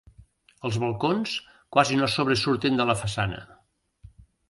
Els balcons quasi no sobresurten de la façana.